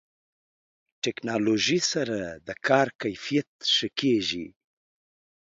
ټکنالوژي سره د کار کیفیت ښه کېږي.